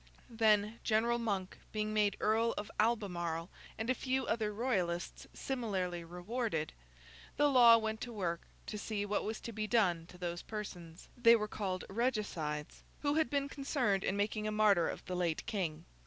Then, General Monk being made Earl of Albemarle, and a few other Royalists similarly rewarded, the law went to work to see what was to be done to those persons (they were called Regicides) who had been concerned in making a martyr of the late King.